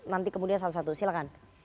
nanti kemudian satu satu silahkan